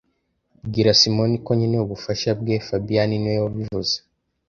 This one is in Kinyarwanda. Bwira Simoni ko nkeneye ubufasha bwe fabien niwe wabivuze